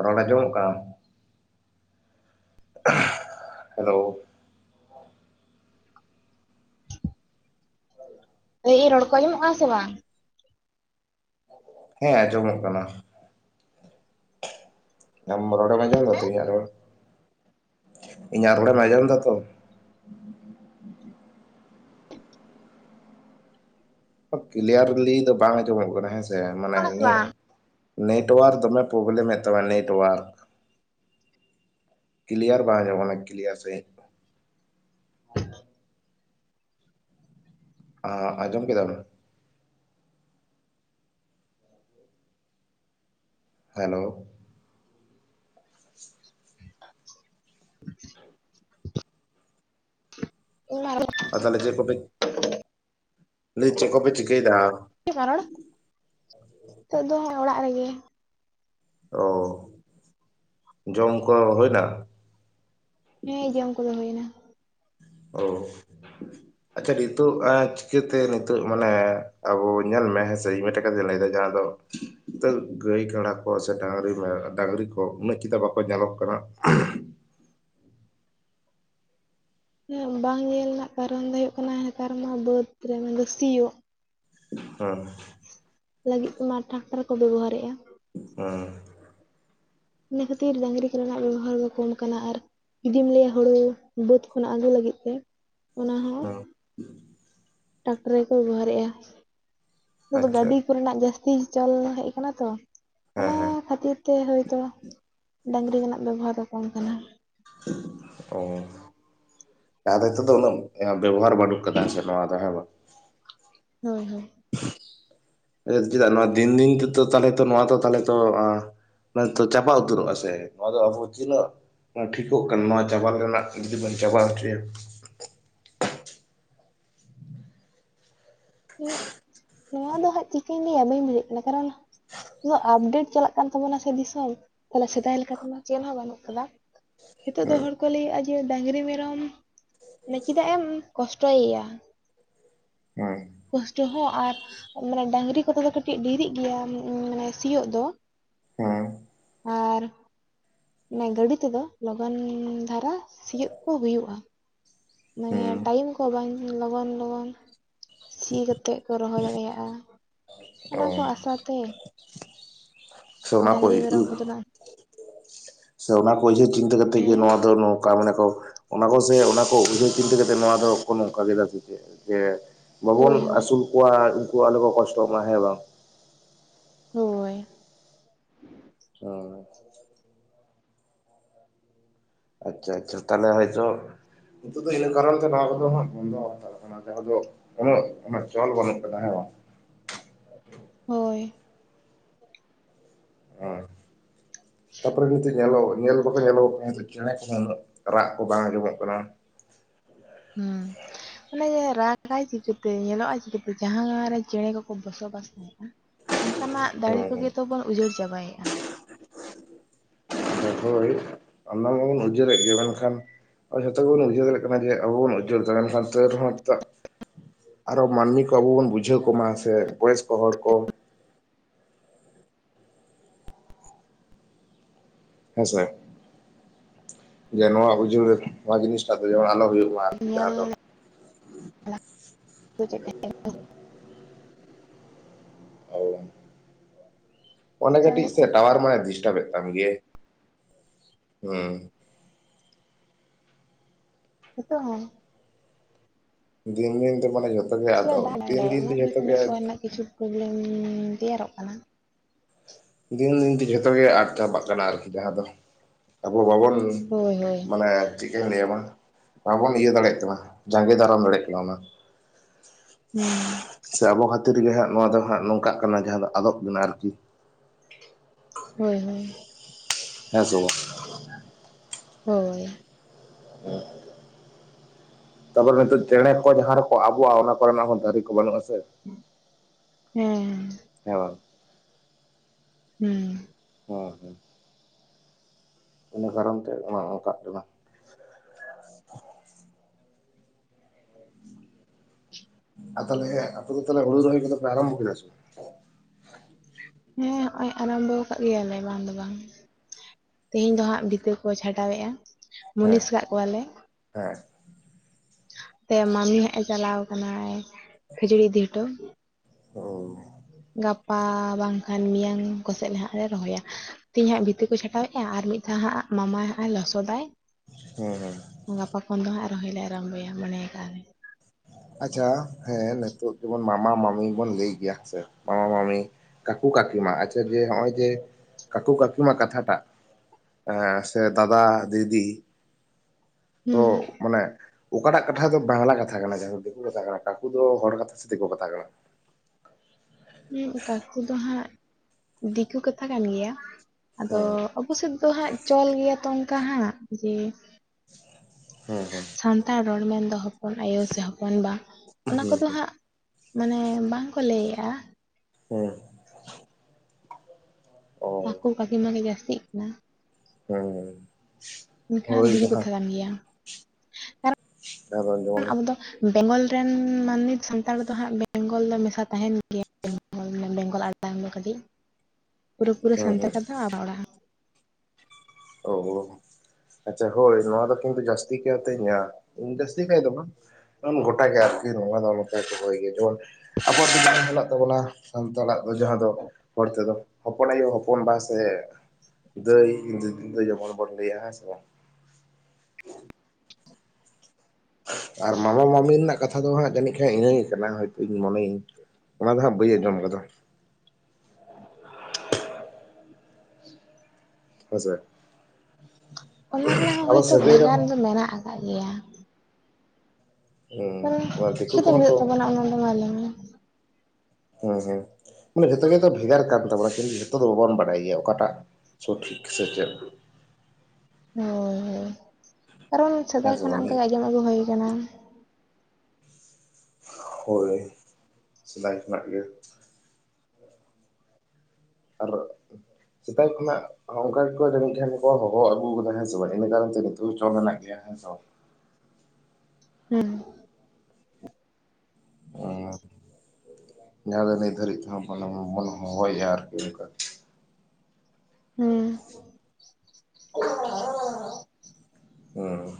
ᱨᱚᱲ ᱟᱸᱡᱚᱢᱚᱜ ᱠᱟᱱ ᱦᱮᱞᱳ [inaudible] ᱞᱟᱹᱭ ᱟᱹᱧ ᱨᱚᱲ ᱟᱡᱚᱢᱚᱜ ᱠᱟᱱᱟ ᱥᱮ ᱵᱟᱝ? ᱦᱮᱸ ᱟᱸᱡᱚᱢᱚᱜ ᱠᱟᱱᱟ ᱟᱢ ᱨᱚᱲ ᱮᱢ ᱟᱸᱡᱚᱢ ᱫᱟ ᱛᱚ ᱤᱧ ᱨᱚᱲ ᱤᱧ ᱨᱚᱲ ᱟᱸᱡᱚᱢ ᱫᱟ ᱛᱚ ᱠᱞᱤᱭᱟᱨᱞᱤ ᱫᱚ ᱵᱟᱝ ᱟᱸᱡᱚᱢᱚᱜ ᱠᱟᱱᱟ ᱦᱮᱸ ᱥᱮ ᱢᱟᱱᱮ ᱠᱟᱱᱟ ᱥᱮ ᱱᱮ ᱵᱟᱝ ᱱᱮᱴᱚᱣᱟᱨᱠ ᱫᱚᱢᱮ ᱯᱨᱚᱵᱞᱮᱢ ᱮ ᱛᱟᱢ ᱱᱮᱴᱳᱣᱟᱨᱠ ᱠᱞᱤᱭᱟᱨ ᱵᱟᱝ ᱟᱸᱡᱚᱢᱚᱜ ᱠᱟᱱᱟ ᱠᱞᱤᱭᱟᱨ ᱥᱟᱦᱤᱡ ᱦᱮ ᱟ ᱟᱸᱡᱚᱢ ᱠᱮᱫᱟ ᱵᱮᱱ ᱦᱮᱞᱳ [unintelligible] ᱟᱨ ᱛᱟᱦᱚᱞᱮ ᱪᱮᱫ ᱠᱚᱯᱮ [unintelligible] ᱞᱟᱹᱭ ᱟᱹᱧ ᱪᱮᱫ ᱠᱚᱯᱮ ᱪᱤᱠᱟᱹᱭᱮᱫᱟᱹ ᱨᱚᱲ ᱱᱤᱛᱚᱜ ᱫᱚ ᱚᱲᱟᱜ ᱨᱮᱜᱮ ᱚ ᱡᱚᱢ ᱠᱚ ᱦᱩᱭᱱᱟ ᱦᱮᱸ ᱡᱚᱢ ᱠᱚᱫᱚ ᱦᱩᱭ ᱱᱟ ᱚ ᱟᱪᱪᱷᱟ ᱱᱤᱛᱚᱜ ᱪᱤᱠᱟᱹᱛᱮ ᱱᱤᱛᱚᱜ ᱢᱟᱱᱮ ᱟᱵᱚ ᱧᱮᱞ ᱢᱮ ᱦᱮᱸᱥᱮ ᱤᱧ ᱢᱤᱫᱴᱮᱱ ᱠᱟᱛᱷᱟᱧ ᱞᱟᱹᱭᱟ ᱡᱟᱦᱟᱸ ᱫᱚ [inaudible] ᱛᱚ ᱜᱟᱹᱭ ᱠᱟᱰᱟ ᱠᱚ ᱥᱮ ᱰᱟᱝᱨᱤ ᱠᱚ ᱩᱱᱟᱹᱜ ᱪᱮᱫᱟᱜ ᱵᱟᱠᱚ ᱧᱮᱞᱚᱜ ᱠᱟᱱᱟ ᱵᱟᱝ ᱧᱮᱞ ᱨᱮᱱᱟᱜ ᱠᱟᱨᱚᱱ ᱫᱚ ᱦᱩᱭᱩᱜ ᱠᱟᱱᱟ ᱱᱮᱛᱟᱨ ᱢᱟ ᱵᱟᱹᱫᱽ ᱨᱮ ᱢᱟᱱ ᱥᱤᱭᱳᱜ ᱦᱮᱸ ᱞᱟᱹᱜᱤᱫ ᱛᱮ ᱢᱟ ᱴᱨᱟᱠᱴᱟᱨ ᱠᱚ ᱵᱮᱵᱚᱦᱟᱨᱮᱫ-ᱟ ᱚ ᱤᱱᱟᱹ ᱠᱷᱟᱹᱛᱤᱨ ᱰᱟᱝᱨᱤ ᱠᱚᱨᱮᱱᱟᱜ ᱵᱮᱵᱚᱦᱟᱨ ᱫᱚ ᱠᱚᱢ ᱠᱟᱱᱟ ᱟᱨ ᱤᱧᱫᱩ ᱞᱟᱹᱭᱟ ᱦᱩᱲᱩ ᱵᱟᱹᱫᱽ ᱠᱷᱚᱱᱟᱜ ᱟᱹᱜᱩ ᱞᱟᱹᱜᱤᱫ ᱛᱮ ᱚᱱᱟ ᱦᱚᱸ ᱦᱮᱸ ᱴᱨᱟᱠᱴᱟᱨ ᱜᱮᱠᱚ ᱵᱮᱵᱚᱦᱟᱨᱮᱫ-ᱟ ᱱᱤᱛ ᱟᱪᱪᱷᱟ ᱜᱟᱹᱰᱤ ᱠᱚᱨᱮᱱᱟᱜ ᱡᱟᱹᱥ ᱦᱩᱭ ᱪᱟᱞ ᱦᱮᱡ ᱠᱟᱱᱟ ᱛᱚ ᱦᱮᱸ ᱚᱱᱟ ᱦᱮᱸ ᱠᱷᱟᱹᱛᱤᱨ ᱛᱮ ᱦᱳᱭᱛᱚ ᱰᱟᱝᱨᱤ ᱨᱮᱱᱟᱜ ᱵᱮᱵᱚᱦᱟᱨ ᱫᱚ ᱠᱚᱢ ᱠᱟᱱᱟ ᱚ ᱟᱫᱚ ᱦᱤᱛᱚᱜ ᱫᱚ ᱩᱱᱟ. ᱜ ᱵᱮᱵᱚᱦᱟᱨ ᱵᱟᱹᱱᱩᱜ ᱠᱟᱫᱟ ᱦᱮᱥᱮ ᱱᱚᱣᱟ ᱫᱚ ᱦᱮ ᱵᱟᱝ ᱦᱮ ᱦᱮ ᱪᱮᱫᱟᱜ ᱱᱚᱣᱟ ᱫᱤᱱ ᱫᱤᱱ ᱛᱮᱫᱚ ᱛᱟᱞᱦᱮ ᱛᱚ ᱱᱚᱣᱟ ᱫᱚ ᱛᱟᱞᱦᱮ ᱛᱚ ᱢᱟᱱᱮ ᱛᱚ ᱪᱟᱵᱟ ᱩᱛᱟᱹᱨᱚᱜ ᱟ ᱥᱮ ᱱᱚᱣᱟ ᱫᱚ ᱟᱵᱚ ᱛᱤᱱᱟᱹᱜ ᱴᱷᱤᱠᱚᱜ ᱠᱟᱱᱟ ᱱᱚᱣᱟ ᱪᱟᱵᱟ ᱨᱮᱱᱟᱜ ᱡᱩᱫᱤ ᱵᱚᱱ ᱪᱟᱵᱟ ᱦᱚᱪᱚᱭᱟ ᱦᱮᱸ ᱱᱚᱣᱟ ᱫᱚ ᱦᱟᱸᱜ ᱪᱤᱠᱟᱹᱧ ᱞᱟᱹᱭᱟ ᱵᱟᱹᱧ ᱵᱩᱡᱷᱟ. ᱜ ᱠᱟᱱᱟ ᱠᱟᱨᱚᱱ ᱤᱭᱟ. ᱟᱯᱰᱮᱴ ᱪᱟᱞᱟᱜ ᱠᱟᱱ ᱛᱟᱵᱚᱱᱟ ᱥᱮ ᱫᱤᱥᱚᱢ ᱛᱟᱦᱚᱞᱮ ᱥᱮᱫᱟᱭ ᱞᱮᱠᱟ ᱫᱚᱢᱟ ᱪᱮᱫ ᱦᱚᱸ ᱵᱟᱹᱱᱩᱜ ᱠᱟᱫᱟ ᱱᱤᱛᱚᱜ ᱫᱚ ᱦᱮᱸ ᱦᱚᱲ ᱠᱚ ᱞᱟᱹᱭᱮᱫ-ᱟ ᱡᱮ ᱰᱟᱝᱨᱤ ᱢᱮᱨᱚᱢᱮ ᱪᱮᱫᱟᱜ ᱮᱢ ᱠᱚᱥᱴᱚᱭᱟ ᱦᱮᱸ ᱠᱚᱥᱴᱚ ᱦᱚᱸ ᱟᱨ ᱢᱟᱱᱮ ᱰᱟᱝᱨᱤ ᱠᱚᱛᱮ ᱫᱚ ᱠᱟᱹᱴᱤᱡ ᱰᱮᱨᱤᱜ ᱜᱮᱭᱟ ᱢᱟᱱᱮ ᱥᱤᱭᱳᱜ ᱫᱚ ᱦᱮᱸ ᱟᱨ ᱚᱱᱮ ᱜᱟᱹᱲᱤ ᱛᱮᱫᱚ ᱞᱚᱜᱚᱱ ᱫᱷᱟᱨᱟ ᱥᱤᱭᱳᱜ ᱠᱚ ᱦᱩᱭᱩᱜ-ᱟ ᱢᱟᱱᱮ ᱦᱮᱸ ᱴᱟᱭᱤᱢ ᱠᱚ ᱵᱟᱝ ᱞᱚᱜᱚᱱ ᱞᱚᱜᱚᱱ ᱥᱤ ᱠᱟᱛᱮᱜ ᱠᱚ ᱨᱚᱦᱚᱭ ᱫᱟᱲᱮᱭᱟᱜᱼᱟ ᱚ ᱚᱱᱟ ᱠᱚ ᱟᱥᱟᱛᱮ ᱰᱟᱝᱨᱤ ᱢᱮᱨᱚᱢ ᱠᱚᱫᱚ [unintelligible] ᱱᱟᱜ ᱥᱮ ᱚᱱᱟ ᱠᱚ ᱩᱭᱦᱟᱹᱨ ᱪᱤᱱᱛᱟᱹ ᱠᱟᱛᱮᱜ ᱜᱮ ᱦᱮᱸ ᱱᱚᱣᱟ ᱫᱚ ᱱᱚ ᱠᱟ ᱢᱟᱱᱮ ᱠᱚ ᱚᱱᱟ ᱠᱚ ᱥᱮ ᱚᱱᱟ ᱠᱚ ᱩᱭᱦᱟᱹᱨ ᱪᱤᱱᱛᱟᱹ ᱠᱟᱛᱮᱜ ᱱᱚᱣᱟ ᱫᱚᱠᱚ ᱱᱚᱝᱠᱟ ᱜᱮᱫᱟ ᱥᱮ ᱪᱮᱜ ᱡᱮ ᱵᱟᱵᱚᱱ ᱦᱳᱭ ᱦᱳᱭ ᱟᱹᱥᱩᱞ ᱠᱚᱣᱟ ᱩᱝᱠᱩ ᱟᱞᱚᱠᱚ ᱠᱚᱥᱴᱚᱜ ᱢᱟ ᱦᱮᱸ ᱵᱟᱝ ᱦᱳᱭ ᱚ ᱟᱪᱪᱷᱟ ᱟᱪᱪᱷᱟ ᱛᱟᱦᱞᱮ ᱦᱚᱭᱛᱚ ᱱᱤᱛᱚᱜ ᱫᱚ ᱤᱱᱟᱹ ᱠᱟᱨᱚᱱ ᱛᱮ ᱱᱚᱣᱟ ᱠᱚᱫᱚ ᱦᱟᱜ ᱵᱚᱱᱫᱚ ᱦᱟᱛᱟᱲ ᱚᱱᱟ ᱡᱟᱦᱟᱸ ᱫᱚ ᱩᱱᱟᱹᱜ ᱚᱱᱟ ᱪᱚᱞ ᱵᱟᱹᱱᱩᱜ ᱠᱟᱫᱟ ᱦᱮ ᱵᱟᱝ ᱦᱳᱭ ᱩᱸ ᱛᱟᱯᱚᱨᱮ ᱱᱤᱛᱚᱜ ᱧᱮᱞᱚᱜ ᱧᱮᱞ ᱫᱚᱠᱚ ᱧᱮᱞᱚᱜ ᱠᱚ ᱪᱮᱸᱬᱮ ᱠᱚᱦᱚᱸ ᱩᱱᱟᱹᱜ ᱨᱟᱜ ᱠᱚ ᱵᱟᱝ ᱟᱸᱡᱚᱢᱚᱜ ᱠᱟᱱᱟ ᱦᱩᱸ ᱚᱱᱮ ᱨᱟᱜᱟᱭ ᱪᱤᱠᱟᱹᱛᱮ ᱧᱮᱞᱚᱜᱼᱟ ᱪᱤᱠᱟᱹᱛᱮ ᱡᱟᱦᱟᱸ ᱨᱮ ᱪᱮᱸᱬᱮ ᱠᱚᱠᱚ ᱵᱚᱥᱚᱵᱟᱥ [inaudible] ᱚᱝᱠᱟᱱᱟᱜ ᱫᱟᱲᱮ ᱦᱮᱸ ᱦᱮᱸ ᱠᱚᱜᱮᱛᱚ ᱵᱚᱱ ᱩᱡᱟᱹᱲ ᱪᱟᱵᱟᱭᱮᱜᱼᱟ ᱾ ᱦᱳᱭ ᱚᱱᱟ ᱜᱮᱵᱚᱱ ᱩᱡᱟᱹᱲᱮᱜ ᱜᱮ ᱢᱮᱱᱠᱷᱟᱱ ᱟᱵᱚ ᱡᱷᱚᱛᱚ ᱜᱮᱵᱚᱱ ᱵᱩᱡᱷᱟᱹᱣ ᱫᱟᱲᱮᱜ ᱠᱟᱱᱟ ᱜᱮ ᱟᱵᱚ ᱵᱚᱱ ᱩᱡᱟᱹᱲ ᱫᱟ ᱢᱮᱱᱠᱷᱟᱱ ᱛᱟ. ᱣ ᱨᱮᱦᱚᱸ ᱪᱮᱫᱟᱜ ᱟᱨᱚ ᱢᱟᱹᱱᱢᱤ ᱠᱚ ᱟᱵᱚ ᱵᱚᱱ ᱵᱩᱡᱷᱟᱹᱣ ᱠᱚᱢᱟ ᱥᱮ ᱵᱚᱭᱮᱥᱠᱚ ᱦᱚᱲ ᱠᱚ ᱦᱮᱸᱥᱮ ᱡᱮ ᱱᱚᱣᱟ ᱩᱡᱟᱹᱲ ᱱᱚᱣᱟ ᱡᱤᱱᱤᱥᱴᱟᱜ ᱫᱚ ᱡᱮᱢᱚᱱ ᱟᱞᱚ ᱦᱳᱭᱳᱜ ᱧᱮᱞ [inaudible] [inaudible] ᱚᱰᱮ ᱮᱢ ᱠᱟᱹᱴᱤᱡ ᱞᱟᱹᱭᱮᱫ ᱥᱮ ᱛᱟᱦᱮᱸᱫ ᱴᱟᱣᱟᱨ ᱢᱟ ᱰᱤᱥᱴᱟᱵᱮᱫ ᱛᱟᱢ ᱜᱤᱭᱟ. ᱦᱩᱸ ᱦᱤᱛᱚᱜ ᱦᱚ ᱫᱤᱱ ᱫᱤᱱ ᱛᱮ ᱢᱟᱱᱮ ᱡᱷᱚᱛᱚ ᱜᱮ ᱪᱮᱫᱟᱜ ᱟᱫᱚᱜ ᱫᱤᱱ ᱫᱤᱱ ᱛᱮ ᱡᱷᱚᱛᱚ ᱜᱮ ᱯᱚᱵᱞᱮᱢ ᱩᱻ ᱛᱮᱭᱟᱨᱚᱜ ᱠᱟᱱᱟ ᱫᱤᱱ ᱫᱤᱱᱛᱮ ᱡᱷᱚᱛᱚ ᱜᱮ ᱟᱫ ᱪᱟᱵᱟᱜ ᱠᱟᱱᱟ ᱟᱨᱠᱤ ᱡᱟᱦᱟᱸ ᱫᱚ ᱟᱵᱚ ᱵᱟᱵᱚᱱ ᱦᱳᱭ ᱦᱳᱭ ᱢᱟᱱᱮ ᱪᱮᱜᱠᱟᱹᱧ ᱞᱟᱹᱭᱟᱢᱟ ᱵᱟᱵᱚᱱ ᱤᱭᱟᱹ ᱫᱟᱲᱮᱭᱟᱜ ᱠᱟᱱᱟ ᱡᱟᱸᱜᱮ ᱫᱟᱨᱟᱢ ᱫᱟᱲᱮᱭᱟᱜ ᱠᱟᱱᱟ ᱚᱱᱟ ᱦᱩᱸ ᱥᱮ ᱟᱵᱚ ᱠᱷᱟᱹᱛᱤᱨ ᱜᱮ ᱦᱟᱸᱜ ᱱᱚᱣᱟ ᱫᱚ ᱦᱟᱸᱜ ᱱᱚᱝᱠᱟᱜ ᱠᱟᱱᱟ ᱡᱟᱦᱟᱸ ᱫᱚ ᱟᱫᱚᱜ ᱠᱟᱱᱟ ᱟᱨᱠᱤ ᱦᱳᱭ ᱦᱳᱭ ᱦᱮᱸ ᱥᱮ ᱵᱟᱝ ᱾ ᱦᱳᱭ ᱛᱟᱯᱚᱨᱮ ᱱᱤᱛᱚᱜ ᱪᱮᱸᱬᱮ ᱠᱚ ᱡᱟᱦᱟᱸ ᱨᱮᱠᱚ ᱟᱵᱚᱜᱼᱟ ᱚᱱᱟ ᱠᱚᱨᱮᱱᱟᱜ ᱦᱚᱸ ᱫᱟᱨᱮ ᱠᱚ ᱵᱟᱹᱱᱩᱜᱼᱟ ᱥᱮ ᱦᱮᱸ ᱦᱮᱸ ᱵᱟᱝ? ᱦᱩᱸ ᱾ ᱦᱚ ᱦᱳᱭ ᱾ ᱤᱱᱟᱹ ᱠᱟᱨᱚᱱ ᱛᱮ ᱚᱱᱟ ᱚᱝᱠᱟ ᱠᱟᱱᱟ ᱾ ᱟ ᱛᱟᱦᱞᱮ ᱟᱯᱮ ᱫᱚ ᱛᱟᱦᱞᱮ ᱦᱩᱲᱩ ᱨᱚᱦᱚᱭ ᱠᱚᱫᱚ ᱯᱮ ᱟᱨᱚᱝᱵᱚ ᱠᱮᱫᱟ ᱥᱮ ᱦᱮᱸ ᱦᱚᱜᱚᱭ ᱟᱨᱟᱢᱵᱚ ᱟᱠᱟᱜ ᱜᱮᱭᱟᱞᱮ ᱵᱟᱝ ᱫᱚ ᱵᱟᱝ ᱛᱮᱦᱤᱧ ᱫᱚ ᱦᱟᱸᱜ ᱵᱷᱤᱛᱟᱹ ᱠᱚ ᱪᱷᱟᱰᱟᱣᱮᱫᱼᱟ ᱦᱮᱸ ᱢᱩᱱᱤᱥ ᱠᱟᱜ ᱠᱚᱣᱟᱞᱮ ᱦᱮᱸ ᱾ ᱛᱮ ᱢᱟᱢᱤ ᱦᱟᱸᱜᱼᱮ ᱪᱟᱞᱟᱣ ᱠᱟᱱᱟᱭ ᱠᱷᱟᱹᱡᱟᱹᱲᱤ ᱤᱫᱤᱦᱚᱴᱚ ᱾ ᱚᱻ ᱾ ᱜᱟᱯᱟ ᱵᱟᱝᱠᱷᱟᱱ ᱢᱮᱭᱟᱝ ᱠᱚᱥᱮᱜ ᱦᱟᱸᱜ ᱞᱮ ᱨᱚᱦᱚᱭᱟ ᱾ ᱛᱮ ᱦᱟᱸᱜ ᱵᱷᱤᱛᱟᱹ ᱠᱚ ᱪᱷᱟᱴᱟᱣ ᱮᱜᱼᱟ ᱟᱨ ᱢᱤᱫ ᱫᱷᱟᱣ ᱦᱟᱸᱜ ᱢᱟᱢᱟ ᱦᱟᱸᱜᱼᱮ ᱞᱚᱥᱚᱫᱟᱭ ᱾ ᱦᱮᱸ ᱻ ᱜᱟᱯᱟ ᱠᱷᱚᱱ ᱫᱚ ᱦᱟᱸᱜ ᱨᱚᱦᱚᱭᱞ ᱞᱮ ᱟᱨᱟᱢᱵᱷᱚᱭᱟ ᱢᱚᱱᱮᱭᱟ ᱠᱟᱜᱞᱮ᱾ ᱟᱪᱷᱟ ᱦᱮᱸ ᱱᱤᱛᱚᱜ ᱡᱮᱢᱚᱱ ᱢᱟᱢᱟ ᱢᱟᱢᱤ ᱵᱚᱱ ᱞᱟᱹᱭ ᱜᱮᱭᱟ ᱦᱮᱸ ᱥᱮ ᱢᱟᱢᱟ ᱢᱟᱢᱤ᱾ ᱠᱟᱠᱩ ᱠᱟᱹᱠᱤᱢᱟ ᱟᱪᱷᱟ ᱡᱮ ᱱᱚᱜᱼᱚᱭ ᱡᱮ ᱠᱟᱠᱩ ᱠᱟᱹᱠᱤᱢᱟ ᱠᱟᱛᱷᱟᱴᱟᱜ ᱮ ᱥᱮ ᱫᱟᱫᱟ ᱫᱤᱫᱤ᱾ ᱚ ᱦᱩᱸ ᱢᱟᱱᱮ ᱚᱠᱟᱴᱟᱜ ᱠᱟᱛᱷᱟ ᱫᱚ ᱵᱟᱝᱞᱟ ᱠᱟᱛᱷᱟ ᱠᱟᱱᱟ ᱡᱟᱭᱦᱩᱠ ᱾ ᱫᱤᱠᱩ ᱠᱟᱛᱷᱟ ᱠᱟᱱᱟ ᱠᱟᱠᱩ ᱫᱚ ᱦᱚᱲ ᱠᱟᱛᱷᱟ ᱥᱮ ᱫᱤᱠᱩ ᱠᱟᱛᱷᱟ ᱠᱟᱱᱟ? ᱦᱩᱸ ᱠᱟᱠᱩ ᱫᱚ ᱦᱟᱸᱜ ᱫᱤᱠᱩ ᱠᱟᱛᱷᱟ ᱠᱟᱱ ᱜᱮᱭᱟ ᱟᱫᱚ ᱦᱩᱸ ᱚᱵᱚᱥᱮᱫ ᱫᱚ ᱦᱟᱸᱜ ᱪᱚᱞ ᱜᱮᱭᱟ ᱛᱚ ᱚᱱᱠᱟ ᱦᱟᱸᱜ ᱡᱮ ᱦᱩᱸ ᱦᱩᱸ ᱾ ᱥᱟᱱᱛᱟᱲ ᱨᱚᱲ ᱢᱮᱱᱫᱚ ᱦᱚᱯᱚᱱ ᱟᱭᱳ ᱥᱮ ᱦᱚᱯᱚᱱᱵᱟ ᱚᱱᱟ ᱦᱩᱸ ᱠᱚᱫᱚ ᱦᱩᱸ ᱦᱟᱸᱜ ᱢᱟᱱᱮ ᱵᱟᱝᱠᱚ ᱞᱟᱹᱭᱮᱜᱼᱟ᱾ ᱦᱮᱸ ᱚ ᱠᱟᱹᱠᱩ ᱠᱟᱹᱠᱤ ᱢᱟᱱᱮ ᱡᱟᱹᱥᱛᱤᱜ ᱠᱟᱱᱟ᱾ ᱦᱮᱸ ᱮᱠᱷᱟᱱ ᱫᱤᱠᱩ ᱠᱟᱛᱷᱟ ᱠᱟᱱ ᱜᱮᱭᱟ ᱟᱨ ᱡᱟᱦᱟᱸ ᱫᱚ ᱵᱟᱝᱠᱷᱟᱱ ᱡᱮᱢᱚᱱ ᱟᱵᱚ ᱫᱚ ᱵᱮᱝᱜᱚᱞ ᱨᱮᱱ ᱢᱟᱹᱱᱢᱤ ᱥᱟᱱᱛᱟᱲ ᱫᱚ ᱦᱟᱸᱜ ᱵᱮᱝᱜᱚᱞ ᱫᱚ ᱢᱮᱥᱟ ᱛᱟᱸᱦᱮᱱ ᱜᱮᱭᱟ᱾ ᱵᱮᱝᱜᱚᱞ [unintelligible] ᱠᱟᱹᱴᱤᱡ ᱯᱩᱨᱟᱹ ᱯᱩᱨᱤ ᱦᱩᱸ ᱥᱟᱱᱛᱟᱲ ᱦᱩᱸ ᱠᱟᱛᱷᱟ ᱵᱟᱝ ᱵᱚᱱ ᱨᱚᱲᱟ᱾ ᱚ ᱟᱪᱷᱟ ᱦᱳᱭ ᱱᱚᱣᱟ ᱫᱚ ᱠᱤᱱᱛᱩ ᱡᱟᱹᱥᱛᱤ ᱠᱟᱭᱛᱮ ᱤᱧᱟᱜ ᱡᱟᱹᱥᱛᱤ ᱠᱟᱭ ᱫᱚ ᱵᱟᱝ ᱜᱚᱴᱟ ᱜᱮ ᱟᱨ ᱠᱤ ᱱᱚᱣᱟ ᱫᱚ ᱚᱱᱠᱟ ᱠᱚ ᱦᱚᱦᱚᱭ ᱜᱮᱭᱟ ᱡᱮᱢᱚᱱ ᱟᱵᱚᱣᱟᱜ ᱫᱚ ᱡᱮᱢᱚᱱ ᱢᱮᱱᱟᱜ ᱛᱟᱵᱚᱱᱟ ᱥᱟᱱᱛᱟᱲᱟᱜ ᱫᱚ ᱡᱟᱦᱟᱸ ᱫᱚ ᱦᱚᱲ ᱛᱮᱫᱚ ᱦᱚᱯᱚᱱ ᱟᱭᱳ ᱦᱚᱯᱚᱱ ᱵᱟ ᱥᱮ ᱫᱟᱹᱭ ᱫᱤᱫᱤ ᱫᱚ ᱡᱮᱢᱚᱱ ᱵᱚ ᱞᱟᱹᱭᱟ ᱦᱮᱸ ᱥᱮ ᱟᱨ ᱢᱟᱢᱚ - ᱢᱟᱹᱢᱤ ᱨᱮᱱᱟᱜ ᱠᱟᱛᱷᱟ ᱫᱚ ᱦᱟᱸᱜ ᱡᱟᱹᱱᱤᱡ ᱠᱷᱟᱱ ᱤᱱᱟᱹ ᱜᱮ ᱠᱟᱱᱟ ᱦᱚᱭᱛᱳ ᱤᱧ ᱢᱚᱱᱮᱭᱤᱧ᱾ ᱚᱱᱟ ᱫᱚ ᱦᱟᱸᱜ ᱵᱟᱹᱧ ᱟᱸᱡᱚᱢ ᱟᱠᱟᱫᱟ᱾ ᱦᱮᱸᱥᱮ ᱾ ᱚᱱᱟ ᱨᱮᱱᱟᱜ ᱦᱚᱸ ᱦᱳᱭᱛᱳ ᱵᱷᱮᱜᱟᱨ ᱫᱚ ᱢᱮᱱᱟᱜ ᱟᱠᱟᱫ ᱜᱮᱭᱟ᱾ ᱦᱮᱸ ᱠᱟᱨᱚᱱ ᱫᱤᱠᱩ ᱪᱤᱠᱟᱹᱛᱮ ᱠᱚᱦᱚᱸ ᱦᱩᱭᱩᱜ ᱠᱚ ᱛᱟᱵᱚᱱᱟ ᱚᱱᱟ ᱫᱚ ᱢᱟ ᱞᱟᱹᱭ ᱢᱮ᱾ ᱦᱮᱸ ᱦᱮᱸ ᱢᱟᱱᱮ ᱡᱷᱚᱛᱚ ᱜᱮᱛᱚ ᱵᱷᱮᱜᱟᱨ ᱠᱟᱱ ᱛᱟᱵᱚᱱᱟ ᱠᱤᱱᱛᱩ ᱡᱷᱚᱛᱚ ᱫᱚ ᱵᱟᱵᱚᱱ ᱵᱟᱰᱟᱭ ᱜᱮᱭᱟ ᱚᱠᱟᱴᱟᱜ ᱥᱚᱴᱷᱤᱠ ᱥᱮ ᱪᱮᱫ᱾ ᱦᱳᱭ ᱦᱳᱭ ᱠᱟᱨᱚᱱ ᱦᱮᱸ ᱥᱮᱫᱟᱭ ᱥᱮ ᱠᱷᱚᱱᱟᱜ ᱚᱱᱠᱟ ᱵᱟᱝ ᱜᱮ ᱟᱸᱡᱚᱢ ᱟᱹᱜᱩ ᱦᱩᱭ ᱟᱠᱟᱱᱟ᱾ ᱦᱳᱭ ᱥᱮᱫᱟᱭ ᱠᱷᱚᱱᱟᱜ ᱜᱮ᱾ [unintelligible] ᱥᱮᱫᱟᱭ ᱠᱷᱚᱱᱟᱜ ᱚᱱᱠᱟ ᱜᱮᱠᱚ ᱡᱟᱹᱱᱤᱡ ᱠᱷᱟᱱ ᱠᱚ ᱦᱚᱦᱚ ᱟᱹᱜᱩ ᱟᱠᱟᱫᱟ ᱦᱮᱸ ᱥᱮ ᱵᱟᱝ ᱤᱱᱟᱹ ᱠᱟᱨᱚᱱ ᱛᱮ ᱱᱤᱛᱚᱜ ᱦᱚᱸ ᱪᱚᱞ ᱢᱮᱱᱟᱜ ᱜᱮᱭᱟ ᱦᱮᱸᱥᱮ᱾ ᱦᱮᱸ ᱡᱟᱦᱟᱸ ᱫᱚ ᱱᱤᱛ ᱫᱷᱟᱹᱨᱤᱡ ᱛᱮᱦᱚᱸ ᱢᱚᱱᱮ ᱦᱚᱦᱚᱭᱮᱜᱼᱟ ᱟᱨᱠᱤᱠ ᱦᱩᱸ ᱦᱩᱸ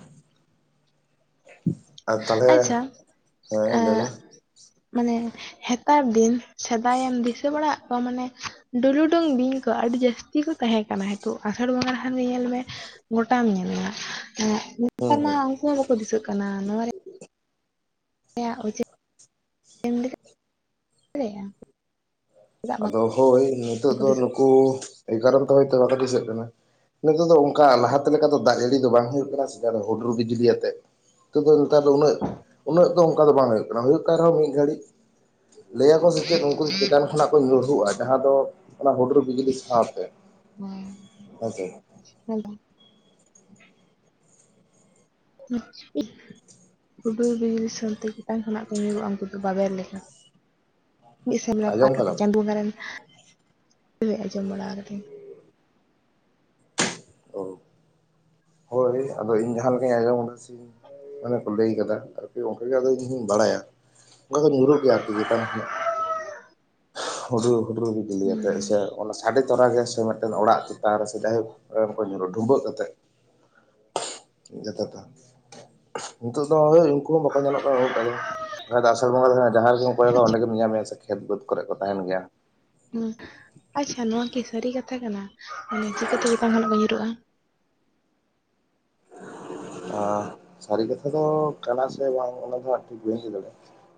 ᱟᱨ ᱛᱟᱦᱚᱞᱮ ᱟᱪᱪᱷᱟ ᱦᱮᱸ ᱞᱟᱹᱭ ᱮᱸ ᱢᱮ᱾ ᱢᱟᱱᱮ ᱦᱮᱸᱛᱟᱨ ᱫᱤᱱ ᱥᱮᱫᱟᱭᱮᱢ ᱫᱤᱥᱟᱹ ᱵᱟᱲᱮᱫ ᱠᱚᱣᱟ ᱢᱟᱱᱮ ᱰᱩᱞᱩᱰᱩᱝ ᱵᱤᱧ ᱠᱚ ᱟᱹᱰᱤ ᱡᱟᱹᱥᱛᱤ [unintelligible] ᱛᱟᱸᱦᱮ ᱠᱟᱱᱟ ᱱᱤᱛᱚᱜ ᱟᱥᱟᱲ ᱵᱚᱸᱜᱟ ᱨᱮ ᱠᱷᱟᱱ ᱧᱮᱞ ᱢᱮ ᱜᱚᱴᱟᱢ ᱧᱮᱞᱟ ᱮᱸ ᱦᱩᱸ ᱱᱮᱛᱟᱨ ᱢᱟ ᱦᱩᱸ ᱩᱱᱠᱩ ᱦᱚᱸ ᱵᱟᱠᱚ ᱫᱤᱥᱟᱹᱜ ᱠᱟᱱᱟ ᱱᱚᱣᱟ ᱨᱮ ᱱᱚᱣᱟ ᱨᱮᱱᱟᱜ ᱚᱡᱮᱢ ᱞᱟᱹᱭ ᱫᱟᱲᱮᱭᱟᱜᱼᱟ? ᱵᱟᱝ ᱟᱫᱚ ᱦᱳᱭ ᱱᱤᱛᱳᱜ ᱠᱚ ᱫᱚ ᱫᱤᱥᱟᱹᱜ ᱱᱩᱠᱩ ᱮᱠᱟᱨᱚᱱ ᱛᱮ ᱦᱚᱭᱛᱳ ᱵᱟᱠᱚ ᱫᱤᱥᱟᱹᱜ ᱠᱟᱱᱟ ᱱᱤᱛᱚᱜ ᱫᱚ ᱚᱱᱠᱟ ᱞᱟᱦᱟᱛᱮ ᱞᱮᱠᱟ ᱫᱚ ᱫᱟᱜ ᱡᱟᱹᱲᱤ ᱫᱚ ᱵᱟᱝ ᱦᱩᱭᱩᱜ ᱠᱟᱱᱟ ᱥᱮ ᱦᱩᱰᱩᱨ ᱵᱤᱡᱽᱞᱤ ᱟᱛᱮᱜ᱾ [unintelligible] ᱱᱮᱛᱟᱨ ᱫᱚ ᱩᱱᱟᱹᱜ ᱩᱱᱟᱹᱜ ᱫᱚ ᱚᱱᱠᱟ ᱫᱚ ᱵᱟᱝ ᱦᱩᱭᱩᱜ ᱠᱟᱱᱟ ᱦᱩᱭᱩᱜ ᱠᱟᱱ ᱨᱮᱦᱚᱸ ᱢᱤᱫ ᱜᱷᱟᱹᱲᱤᱡ᱾ ᱞᱟᱹᱭᱟᱠᱚ ᱥᱮ ᱪᱮᱫ ᱩᱱᱠᱩ ᱫᱚ ᱪᱮᱛᱟᱱ ᱠᱷᱚᱱᱟᱜ ᱧᱩᱨᱩᱜᱼᱟ, ᱡᱟᱦᱟᱸ ᱫᱚ ᱚᱱᱟ ᱦᱩᱰᱩᱨ ᱵᱤᱡᱽᱞᱤ ᱥᱟᱶᱛᱮ ᱦᱮᱸᱥᱮ [unintelligible] [unintelligible] ᱦᱩᱰᱩᱨ ᱵᱤᱡᱽ ᱫᱤᱥᱚᱢᱛᱮ ᱪᱮᱛᱟᱱ ᱠᱷᱚᱱᱟᱜ ᱠᱚ ᱧᱩᱨᱩᱜᱼᱟ ᱩᱱᱠᱩ ᱫᱚ ᱵᱟᱵᱮᱨ ᱞᱮᱠᱟ ᱢᱤᱫ ᱥᱮᱫ ᱨᱮ ᱯᱟᱠ ᱟᱸᱡᱚᱢ ᱠᱟᱛᱮᱜ ᱠᱟᱫᱟᱢ ᱪᱟᱸᱫᱳ ᱵᱚᱸᱜᱟᱨᱮᱱ [unintelligible] ᱟᱡᱚᱢ ᱵᱟᱲᱟ ᱠᱟᱫᱟᱧ ᱚ ᱦᱳᱭ ᱟᱫᱚ ᱤᱧ ᱡᱟᱦᱟᱸ ᱞᱮᱠᱟᱧ ᱟᱸᱡᱚᱢ ᱟᱠᱟᱫᱟ ᱥᱮ ᱢᱟᱱᱮ ᱠᱚ ᱞᱟᱹᱭ ᱟᱠᱟᱫᱟ ᱟᱨᱠᱤ ᱚᱱᱠᱟᱜᱮᱫᱚ ᱤᱧ ᱦᱚᱧ ᱵᱟᱲᱟᱭᱟ ᱠᱟ ᱫᱚ ᱧᱩᱨᱩᱜ ᱜᱮᱭᱟ ᱟᱨᱠᱤ ᱪᱮᱛᱟᱝ ᱠᱷᱱᱟᱜ ᱦᱩᱰᱩᱨ ᱦᱩᱰᱩᱨ ᱵᱤᱞᱤᱭᱟᱛᱜ ᱦᱩᱸ ᱥᱮ ᱚᱱᱟ ᱥᱟᱰᱮ ᱛᱚᱨᱟᱮ ᱥᱮ ᱢᱤᱫᱴᱮᱱ ᱚᱲᱟᱜ ᱪᱮᱛᱟᱱ ᱨᱮ ᱥᱮ ᱡᱟᱭᱦᱳᱠ ᱠᱚ ᱧᱩᱨᱩᱜ ᱰᱷᱩᱢᱵᱟᱹᱜ ᱠᱟᱛᱮᱫ ᱡᱛᱚ ᱱᱤᱛ ᱫᱚ ᱩᱱᱠᱩ ᱦᱚᱸ ᱵᱟᱠᱚ ᱧᱮᱞᱚᱜ ᱠᱟᱱᱟ ᱩᱱᱟᱹᱜ ᱴᱟᱜ ᱫᱚ, ᱟᱥᱟᱲ ᱵᱚᱸᱜᱟ ᱫᱚ ᱡᱟᱦᱟᱸ ᱨᱮᱜᱮᱢ ᱠᱚᱭᱚᱜᱟ ᱚᱸᱰᱮ ᱟᱪᱪᱷᱟ ᱜᱮᱢ ᱧᱮᱞ ᱧᱟᱢᱮᱭᱟ ᱥᱮᱠᱤ ᱠᱷᱮᱛ ᱵᱟᱹᱫᱽ ᱠᱚᱨᱮ ᱠᱚ ᱛᱟᱦᱮᱱ ᱜᱮᱭᱟ ᱦᱩᱸ ᱟᱪᱪᱷᱟ ᱱᱚᱣᱟ ᱠᱤ ᱥᱟᱹᱨᱤ ᱠᱟᱛᱷᱟ ᱠᱟᱱᱟ ᱢᱟᱱᱮ ᱪᱤᱠᱟᱹᱛᱮ ᱪᱮᱸᱛᱟᱱ ᱠᱷᱱᱟᱜ ᱠᱚ ᱧᱩᱨᱩᱜᱼᱟ ᱥᱟᱹᱨᱤ ᱠᱟᱛᱷᱟ ᱫᱚ ᱠᱟᱱᱟ ᱥᱮ ᱵᱟᱝ ᱚᱱᱟ ᱫᱚ ᱤᱧ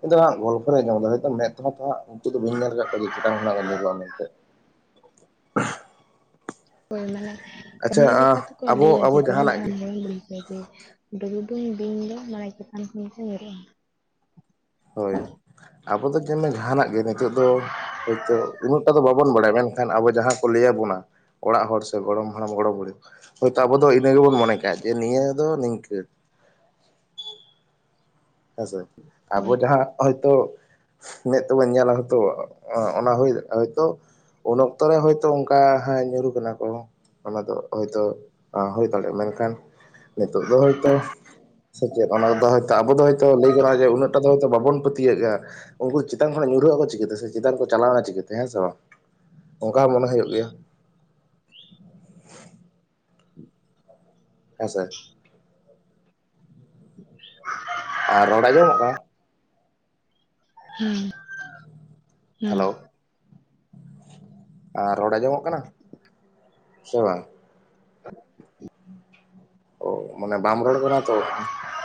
ᱫᱚ ᱦᱟᱜ ᱜᱚᱞᱯᱚ ᱨᱮ ᱟᱡᱚᱢ ᱠᱟᱫᱟ ᱦᱳᱭᱛᱚ ᱢᱮᱫ ᱛᱮᱫᱚ ᱦᱟᱜ [unintelligible] ᱧᱮᱞ ᱟᱠᱟᱫ ᱠᱚᱣᱟᱮ ᱡᱮ ᱪᱮᱛᱟᱱ ᱠᱷᱱᱟᱜ ᱜᱮ ᱱᱩᱨᱩᱜᱼᱟ ᱢᱮᱱᱛᱮ [unintelligible] ᱟᱪᱪᱷᱟ ᱠᱟᱹᱦᱱᱤ ᱞᱮᱠᱟᱛ ᱛᱠᱚ ᱟᱵᱚ ᱞᱟᱹᱭᱟ ᱟᱵᱚ ᱡᱮ ᱜᱚᱲᱚᱢ ᱡᱟᱦᱟᱱᱟᱜ ᱦᱟᱲᱟᱢ ᱜᱮ ᱜᱚᱲᱚᱢ ᱵᱩᱲᱦᱤ ᱰᱩᱞᱩᱰᱩᱝ ᱵᱤᱧ ᱫᱚ ᱢᱟᱱᱮ ᱪᱮᱛᱟᱱ ᱠᱷᱚᱱ ᱜᱮ ᱧᱩᱨᱩᱜᱼᱟ ᱦᱳᱭ ᱟᱵᱚ ᱫᱚ ᱡᱮ ᱡᱟᱦᱟᱱᱟᱜ ᱜᱮ ᱱᱤᱛᱚᱜ ᱫᱚ ᱦᱳᱭᱛᱳ ᱩᱱᱟᱹᱜ ᱴᱟ ᱫᱚ ᱵᱟᱵᱚᱱ ᱵᱟᱲᱟᱭᱟ ᱢᱮᱱᱠᱷᱟᱱ ᱟᱵᱚ ᱡᱟᱦᱟᱸ ᱠᱚ ᱞᱟᱹᱭ ᱟᱵᱚᱱᱟ ᱚᱲᱟᱜ ᱦᱚᱲ ᱥᱮ ᱜᱚᱲᱚᱢ ᱦᱟᱲᱟᱢ ᱜᱚᱲᱚᱢ ᱵᱩᱲᱦᱤ ᱦᱳᱭᱛᱳ ᱟᱵᱚ ᱫᱚ ᱤᱱᱟᱹ ᱜᱮᱵᱚᱱ ᱢᱚᱱᱮ ᱠᱟᱜ ᱡᱮ ᱱᱤᱭᱟᱹ ᱫᱚ ᱱᱤᱝᱠᱟᱹ ᱦᱮᱸᱥᱮ ᱟᱵᱚ ᱦᱳᱭ ᱡᱟᱦᱟᱸ ᱦᱚᱳᱭᱛᱳ ᱢᱮᱫ ᱛᱮᱵᱟᱹᱚᱱ ᱧᱮᱞᱟ ᱦᱭᱛᱳ ᱚᱱᱟ ᱦᱩᱭ ᱦᱚᱳᱭᱛᱳ ᱩᱱ ᱚᱠᱛᱚ ᱨᱮ ᱦᱳᱭᱛᱳ ᱚᱱᱠᱟ ᱦ ᱧᱩᱨᱩ ᱠᱟᱱᱟ ᱠᱚ ᱚᱱᱟ ᱫᱚ ᱦᱳᱭᱛᱳ ᱦᱩᱭ ᱫᱟᱲᱮᱭᱟᱜᱼᱟ ᱢᱮᱱᱠᱷᱟᱱ ᱱᱤᱛᱚᱜ ᱫᱚ ᱦᱭᱛᱳ ᱥᱮ ᱪᱮᱫ ᱚᱱᱟᱫᱚ ᱦᱳᱭ ᱛᱚ ᱟᱵᱚ ᱫᱚ ᱞᱟᱹᱭ ᱜᱟᱱᱟᱜᱼᱟ ᱡᱮ ᱩᱱᱟᱹᱜ ᱴᱟ ᱫᱚ ᱦᱚᱭᱛᱳ ᱵᱟᱵᱚᱱ ᱯᱟᱹᱛᱭᱟᱹᱜ ᱩᱱᱠᱩ ᱪᱮᱛᱟᱱ ᱠᱷᱚᱱᱟᱜ ᱧᱩᱨᱦᱟᱹᱜ ᱟᱠᱚ ᱪᱤᱠᱟᱹᱛᱮ ᱥᱮ ᱪᱮᱛᱟᱱ ᱠᱚ ᱪᱟᱞᱟᱣᱱᱟ ᱪᱤᱠᱟᱹᱛᱮ ᱦᱮᱸ ᱥᱮ ᱵᱟᱝ ᱚᱱᱠᱟ ᱢᱚᱱᱮ ᱦᱩᱭᱩᱜ ᱜᱮᱭᱟ ᱦᱮᱸ ᱥᱮ [unintelligible] ᱟᱨ ᱨᱚᱲ ᱟᱡᱚᱢᱚᱜ ᱠᱟᱱᱟ ᱦᱮᱸ ᱦᱮᱸ ᱦᱮᱞᱳ ᱟᱨ ᱨᱚᱲ ᱟᱸᱡᱚᱢᱚᱜ ᱠᱟᱱᱟ ᱥᱮ ᱵᱟᱝ [unintelligible] ᱚ ᱢᱟᱱᱮ ᱵᱟᱢ ᱨᱚᱲ ᱠᱟᱱᱟ ᱛᱚ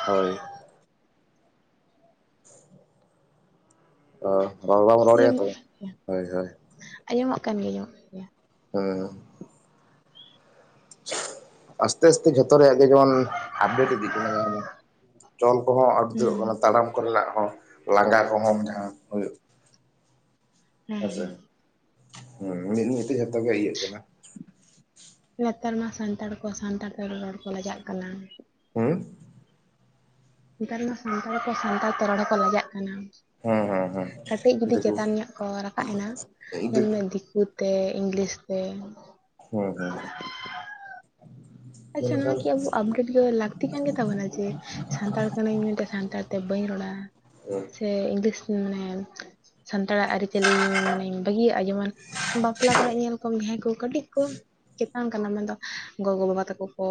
ᱦᱳᱭ ᱛᱚ ᱨᱚᱲ ᱵᱟᱝ ᱨᱚᱲ ᱮᱭᱟ ᱛᱚ ᱟᱸᱡᱚᱢᱚᱜ ᱠᱟᱱ ᱜᱮᱭᱟ ᱦᱳᱭ ᱦᱳᱭ ᱟᱸᱡᱚᱢᱚᱜ ᱠᱟᱱ ᱜᱮᱭᱟ ᱟᱸᱡᱚᱢᱚᱜ ᱠᱟᱱ ᱜᱮᱭᱟ ᱦᱮᱸ ᱟᱥᱛᱮ ᱟᱥᱛᱮ ᱡᱷᱚᱛᱚ ᱨᱮᱭᱟᱜ ᱜᱮ ᱡᱮᱢᱚᱱ ᱟᱯᱰᱮᱴ ᱤᱫᱤᱜ ᱠᱟᱱᱟ ᱡᱟᱦᱟᱸ ᱫᱚ ᱪᱚᱞ ᱠᱚᱦᱚᱸ ᱟᱫ ᱩᱛᱟᱹᱨᱚᱜ ᱦᱩᱸ ᱠᱟᱱᱟ ᱛᱟᱲᱟᱢ ᱠᱚᱨᱮᱱᱟᱜ ᱦᱚᱸ ᱞᱟᱸᱜᱟ ᱠᱚᱦᱚᱢ ᱡᱟᱦᱟᱸ ᱦᱩᱭᱩᱜ ᱦᱮᱸ ᱦᱮᱸᱥᱮ ᱦᱮᱸ ᱦᱮᱸ ᱢᱤᱫ ᱢᱤᱫᱴᱮᱡ ᱡᱚᱛᱚ ᱜᱮ ᱤᱭᱟᱹᱜ ᱠᱟᱱᱟ ᱱᱮᱛᱟᱨ ᱢᱟ ᱥᱟᱱᱛᱟᱲ ᱠᱚ ᱥᱟᱱᱛᱟᱲ ᱛᱮ ᱨᱚᱲ ᱠᱚ ᱞᱟᱡᱟᱜ ᱠᱟᱱᱟ᱾ ᱦᱩᱸ ᱱᱮᱛᱟᱨ ᱢᱟ ᱥᱟᱱᱛᱟᱲ ᱠᱚ ᱥᱟᱱᱛᱟᱲ ᱛᱮ ᱨᱚᱲ ᱦᱚᱸᱠᱚ ᱞᱟᱡᱟᱜ ᱠᱟᱱᱟ᱾ ᱠᱟᱹᱴᱤᱡ ᱡᱩᱫᱤ ᱪᱮᱛᱟᱱ ᱧᱚᱜ ᱠᱚ ᱨᱟᱠᱟᱵ ᱮᱱᱟ ᱧᱮᱞᱢᱮ ᱫᱤᱠᱩ ᱛᱮ ᱤᱝᱞᱤᱥ ᱛᱮ ᱦᱮᱸ ᱦᱮᱸ ᱦᱮᱸ ᱟᱪᱪᱷᱟ ᱱᱚᱣᱟᱠᱤ ᱟᱵᱚ ᱟᱯᱰᱮᱴ ᱜᱮ ᱞᱟᱹᱠᱛᱤ ᱠᱟᱱ ᱜᱮᱛᱟᱵᱚᱱᱟ ᱡᱮ ᱥᱟᱱᱛᱟᱲ ᱠᱟᱱᱟᱹᱧ ᱢᱮᱱᱛᱮ ᱥᱟᱱᱛᱟᱲ ᱛᱮ ᱵᱟᱹᱧ ᱨᱚᱲᱟ ᱥᱮ ᱤᱝᱞᱤᱥ ᱢᱟᱱᱮ ᱥᱟᱱᱛᱟᱲᱟᱜ ᱟᱹᱨᱤᱪᱟᱹᱞᱤ ᱢᱟᱱᱮ ᱵᱷᱟᱹᱜᱤᱭᱟᱜᱼᱟ ᱡᱮᱢᱚᱱ ᱵᱟᱯᱞᱟ ᱠᱚᱨᱮ ᱧᱮᱞ ᱠᱚᱢ ᱜᱮᱸ ᱠᱚ ᱠᱟᱹᱴᱤᱡ ᱠᱚ ᱪᱮᱛᱟᱱ ᱠᱟᱱᱟ ᱢᱮᱱᱫᱚ ᱜᱚᱜᱚ ᱵᱟᱵᱟ ᱛᱟᱼ ᱼᱠᱚ ᱠᱚ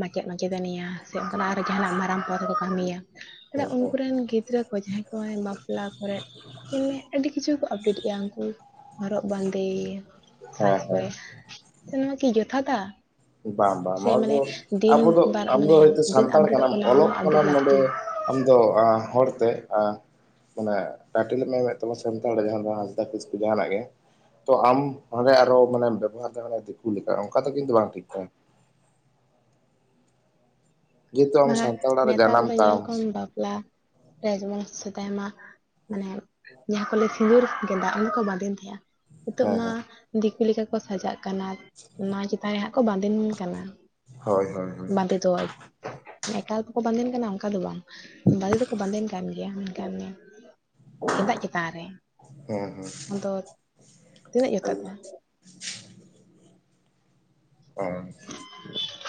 ᱢᱟᱪᱮᱫ ᱢᱟᱪᱮᱛᱟᱱᱤᱭᱟ ᱥᱮ ᱚᱱᱠᱟᱱᱟᱜ ᱟᱨᱚ ᱡᱟᱦᱟᱱᱟᱜ ᱢᱟᱨᱟᱝ ᱯᱚᱛ ᱠᱚ ᱠᱟᱹᱢᱤᱭᱟ ᱦᱮᱸ ᱦᱮᱸ ᱩᱱᱠᱩ ᱨᱮᱱ ᱜᱤᱫᱽᱨᱟᱹ ᱠᱚ ᱡᱟᱦᱟᱸᱭ ᱠᱚ ᱵᱟᱯᱞᱟ ᱠᱚᱨᱮ [unintelligible] ᱢᱮ ᱟᱹᱰᱤ ᱠᱤᱪᱷᱩ ᱠᱚ ᱟᱯᱰᱮᱴ ᱮᱼᱟ ᱩᱱᱠᱩ ᱦᱚᱨᱚᱜ ᱵᱟᱸᱫᱮ ᱥᱟᱡᱽ ᱦᱮᱸ ᱠᱚᱨᱮ ᱦᱮᱸ ᱛᱚ ᱱᱚᱣᱟ ᱠᱤ ᱡᱚᱛᱷᱟᱛᱟ ᱵᱟᱝ ᱵᱟᱝ ᱥᱮ ᱱᱚᱣᱟ ᱢᱟᱱᱮ ᱫᱚ ᱫᱤᱱ ᱟᱵᱚ ᱫᱚ ᱵᱟᱨ ᱟᱢ ᱫᱚ ᱢᱟᱱᱮ ᱦᱚᱭᱛᱳ ᱫᱤᱱ ᱥᱟᱱᱛᱟᱲ ᱟᱯᱰᱮᱴᱚᱜ ᱠᱟᱱᱟᱢ ᱠᱟᱱᱟ ᱚᱱᱟ ᱚᱞᱚᱜ ᱦᱚᱸ ᱟᱯᱰᱮᱴ ᱠᱟᱱᱟᱢ ᱞᱟᱹᱠᱛᱤ ᱱᱚᱰᱮ ᱟᱢ ᱫᱚ ᱦᱚᱲᱛᱮ ᱢᱟᱱᱮ ᱴᱟᱭᱴᱮᱞᱮᱢ ᱮᱢᱮᱫ ᱛᱟᱢᱟ ᱥᱟᱱᱛᱟᱲ ᱡᱟᱸᱦᱟ ᱦᱟᱸᱥᱫᱟ ᱠᱤᱥᱠᱩ ᱡᱟᱦᱟᱱᱟᱜ ᱜᱮ ᱛᱚ ᱟᱢ ᱚᱸᱰᱮ ᱟᱨᱚ ᱢᱟᱱᱮᱢ ᱵᱮᱵᱚᱦᱟᱨ ᱫᱟ ᱫᱤᱠᱩ ᱞᱮᱠᱟ ᱚᱱᱠᱟ ᱫᱚ ᱠᱤᱱᱛᱩ ᱵᱟᱝ ᱴᱷᱤᱠ [unintelligible] ᱡᱮᱦᱮᱛᱩ ᱟᱢ ᱵᱟᱝᱜᱼᱟ ᱥᱟᱱᱛᱟᱲ ᱚᱲᱟᱜ ᱨᱮ ᱱᱮᱛᱟᱨ ᱡᱟᱱᱟᱢ ᱫᱚ ᱧᱮᱞ ᱛᱟᱢ ᱠᱚ ᱵᱟᱯᱞᱟ ᱨᱮ ᱡᱮᱢᱚᱱ ᱥᱮᱫᱟᱭ ᱢᱟ ᱢᱟᱱᱮ ᱡᱟᱦᱟᱸ ᱠᱚᱞᱮ ᱥᱤᱸᱜᱩᱨ ᱜᱮᱫᱟ ᱚᱱᱟ ᱠᱚ ᱵᱟᱸᱫᱮᱱ ᱛᱟᱦᱮᱸᱜᱼᱟ ᱱᱤᱛᱚᱜ ᱦᱮᱸ ᱢᱟ ᱦᱮᱸ ᱫᱤᱠᱩ ᱞᱮᱠᱟ ᱠᱚ ᱥᱟᱡᱟᱜ ᱠᱟᱱᱟ ᱚᱱᱟ ᱪᱮᱛᱟᱱ ᱨᱮ ᱦᱟᱸᱜ ᱠᱚ ᱵᱟᱸᱫᱮᱱ ᱠᱟᱱᱟ ᱦᱳᱭ ᱦᱳᱭ ᱦᱳᱭ ᱵᱟᱸᱫᱮ ᱫᱚ ᱮᱠᱟᱞ ᱵᱟᱠᱚ ᱵᱟᱸᱫᱮᱱ ᱠᱟᱱᱟ ᱚᱱᱠᱟ ᱫᱚ ᱵᱟᱝ ᱵᱟᱸᱫᱮ ᱫᱚᱠᱚ ᱵᱟᱸᱫᱮᱱ ᱠᱟᱱ ᱜᱮᱭᱟ ᱢᱮᱱᱠᱷᱟᱱ ᱜᱮᱸᱫᱟᱜ ᱪᱮᱛᱟᱱ ᱨᱮ ᱦᱮᱸ ᱦᱮᱸ ᱟᱫᱚ ᱛᱤᱱᱟᱹᱜ ᱡᱚᱛᱷᱟᱛᱟ ᱮᱠᱫᱚᱢ ᱚ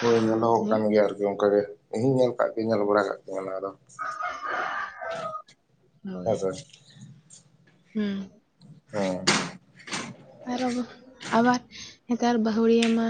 ᱦᱳᱭ ᱧᱮᱞᱚᱜᱚᱜ ᱦᱮᱸ ᱠᱟᱱ ᱜᱮᱭᱟ ᱟᱨᱠᱤ ᱚᱱᱠᱟ ᱜᱮ ᱤᱧ ᱦᱩᱧ ᱧᱮᱞ ᱠᱟᱫ ᱠᱩᱧ ᱧᱮᱞ ᱵᱟᱲᱟ ᱠᱟᱫ ᱠᱩᱧ ᱚᱱᱟ ᱫᱚ ᱦᱳᱭ ᱦᱮᱸᱥᱮ ᱦᱩᱸ ᱟᱨ ᱟᱵᱟᱨ ᱱᱮᱛᱟᱨ ᱵᱟᱹᱦᱩᱲᱤᱭᱟᱹ ᱢᱟ